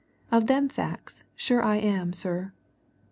Of them facts, sure I am, sir."